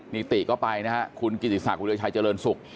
นิติก็ไปนะครับคุณกิติศาสตร์คุณเรือชายเจริญสุข